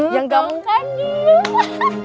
yang ga mau kan dihukum